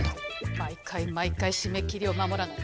毎回毎回締め切りを守らない。